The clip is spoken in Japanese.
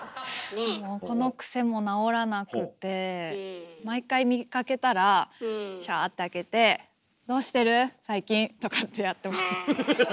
もうこの癖も直らなくて毎回見かけたらシャーって開けてとかってやってます。